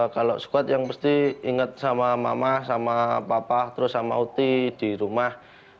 kalau squad yang pasti inget sama mama sama papa terus sama oti di rumah